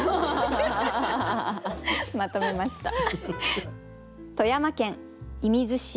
まとめました。